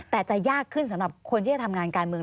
แต่จะยากขึ้นสำหรับคนที่จะทำงานการเมือง